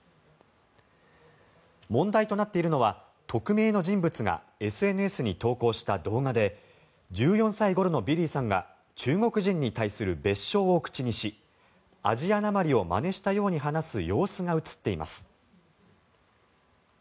問題となっているのは匿名の人物がＳＮＳに投稿した動画で１４歳ごろのビリーさんが中国人に対する蔑称を口にしアジアなまりをまねしたように話す様子が映っています。